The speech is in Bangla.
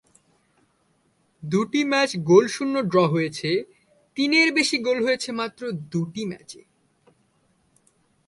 দুটি ম্যাচ গোলশূন্য ড্র হয়েছে, তিনের বেশি গোল হয়েছে মাত্র দুটি ম্যাচে।